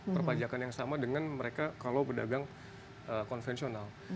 perpajakan yang sama dengan mereka kalau pedagang konvensional